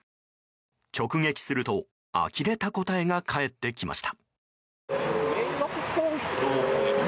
直撃するとあきれた答えが返ってきました。